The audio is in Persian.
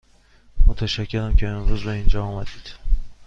متشکرم که امروز به اینجا آمدید.